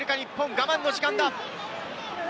我慢の時間だ。